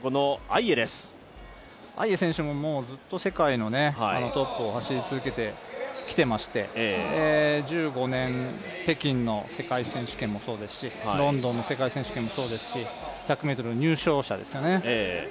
アイエ選手も世界のトップを走り続けてきてまして１５年、北京の世界選手権もそうですし、ロンドンの世界選手権もそうですし１００ｍの入賞者ですよね。